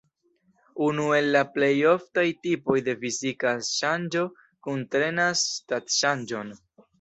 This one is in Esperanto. Unu el la plej oftaj tipoj de fizika ŝanĝo kuntrenas stat-ŝanĝon.